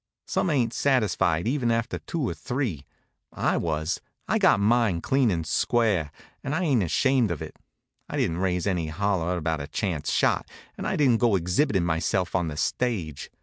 Some ain't satisfied, even after two or three. I was. I got mine, clean and square, and I ain't ashamed of it. I didn't raise any holler about a chance shot, and I didn't go exhibitin' myself on the stage.